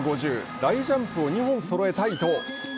大ジャンプを２本そろえた伊藤。